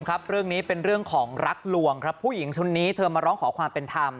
ครับเรื่องนี้เป็นเรื่องของรักลวงครับผู้หญิงชุดนี้เธอมาร้องขอความเป็นธรรม